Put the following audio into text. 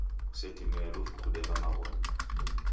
Kusetumie lufu kudema maghonyi